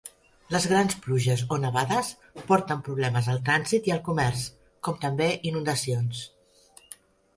Les grans pluges o nevades porten problemes al trànsit i el comerç, com també inundacions.